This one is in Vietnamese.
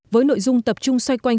với nội dung tập trung xoay quanh